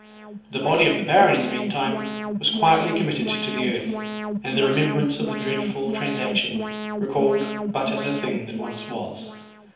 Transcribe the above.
The body of the baron, in the meantime, was quietly committed to the earth, and the remembrance of the dreadful transaction, recalled but as a thing that once was.